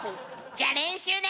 じゃ練習ね。